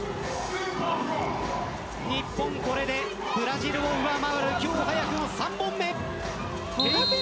日本、これでブラジルを上回る今日、早くも３本目。